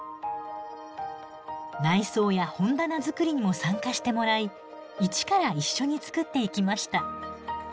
内装や本棚作りにも参加してもらい一から一緒に作っていきました。